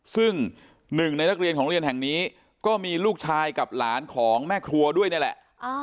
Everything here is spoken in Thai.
ซึ่งหนึ่งในนักเรียนของเรียนแห่งนี้ก็มีลูกชายกับหลานของแม่ครัวด้วยนี่แหละ